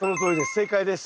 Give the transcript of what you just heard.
正解です。